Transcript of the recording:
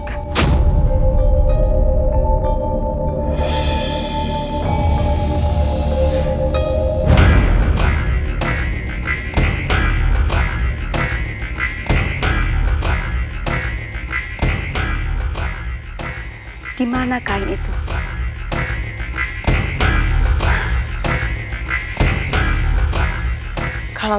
kaulah tangannya zaitun cikgu